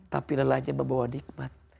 tapi lelahnya membawa nikmat